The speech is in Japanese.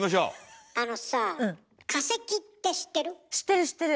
あのさあ知ってる知ってる。